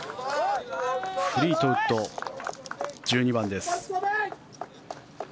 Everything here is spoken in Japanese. フリートウッド、１２番です。